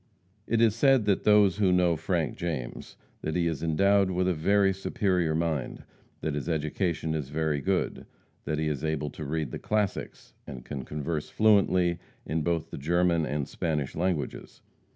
It is said by those who know Frank James, that he is endowed with a very superior mind; that his education is very good; that he is able to read the classics, and can converse fluently in both the German and Spanish languages.